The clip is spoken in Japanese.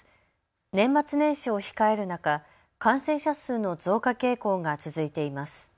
年末年始を控える中、感染者数の増加傾向が続いています。